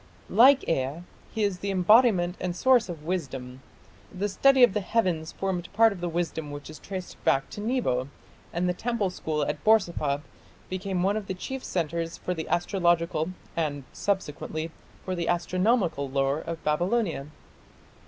Like Ea, he is the embodiment and source of wisdom.... The study of the heavens formed part of the wisdom which is traced back to Nebo, and the temple school at Borsippa became one of the chief centres for the astrological, and, subsequently, for the astronomical lore of Babylonia....